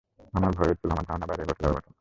আমার ভয় হচ্ছিল, আমার ধারণার বাইরে কিছু ঘটে যাবে।